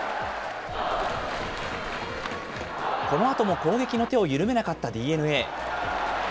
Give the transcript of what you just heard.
このあとも攻撃の手を緩めなかったＤｅＮＡ。